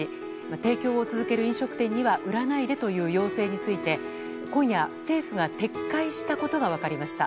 提供を続ける飲食店には売らないでという要請について今夜、政府が撤回したことが分かりました。